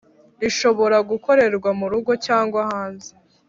Rishobora gukorerwa mu rugo cyangwa hanze